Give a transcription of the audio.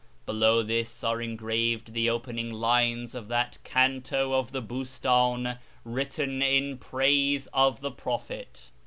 Below this are engraved the opening lines of that canto of the Bustdn written in praise of the Prophet.